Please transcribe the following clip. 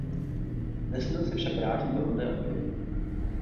Nesměl se však vrátit do rodné Anglie.